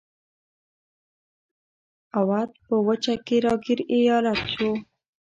اَوَد په وچه کې را ګیر ایالت شو.